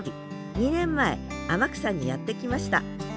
２年前天草にやって来ました。